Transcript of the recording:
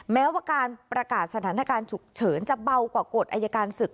แม้ว่าการประกาศสถานการณ์ฉุกเฉินจะเบากว่ากฎอายการศึก